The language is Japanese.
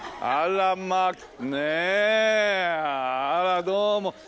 あらどうも。